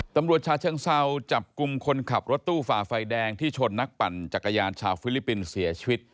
ชาเชิงเซาจับกลุ่มคนขับรถตู้ฝ่าไฟแดงที่ชนนักปั่นจักรยานชาวฟิลิปปินส์เสียชีวิต